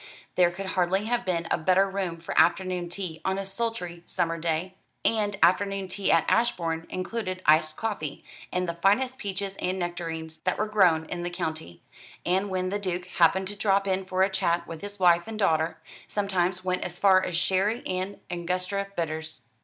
There could hardly have been a better room for afternoon tea on a sultry summer day; and afternoon tea at Ashbourne included iced coffee, and the finest peaches and nectarines that were grown in the county; and when the Duke happened to drop in for a chat with his wife and daughter, sometimes went as far as sherry and Angustura bitters.